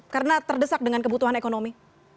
karena terdesak dengan kebutuhan ekonomi